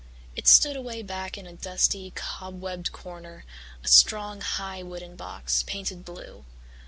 It stood away back in a dusty, cobwebbed corner, a strong, high wooden box, painted blue.